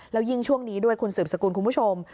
แล้วยิ่งช่วงนี้ด้วยคุณสืบสกุลคุณผู้ชม